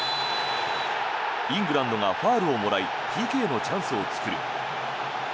イングランドがファウルをもらいＰＫのチャンスを作る。